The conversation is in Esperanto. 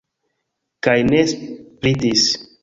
Kaj ne spritis.